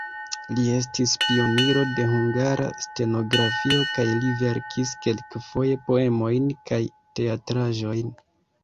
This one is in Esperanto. Li estis pioniro de hungara stenografio kaj li verkis kelkfoje poemojn kaj teatraĵojn.